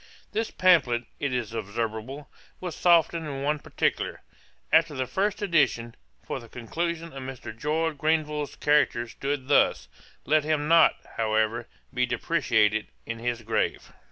' This pamphlet, it is observable, was softened in one particular, after the first edition; for the conclusion of Mr. George Grenville's character stood thus: 'Let him not, however, be depreciated in his grave.